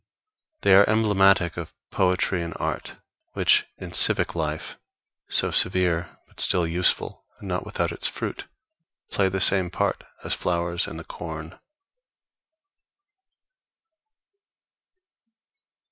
They are emblematic of poetry and art, which, in civic life so severe, but still useful and not without its fruit play the same part as flowers in the corn.